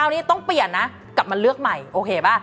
อันนี้ต้องเปลี่ยนนะกลับมาเลือกใหม่โอเคป่ะ